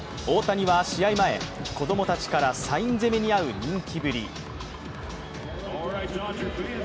大谷は試合前、子供たちからサイン攻めに遭う人気ぶり。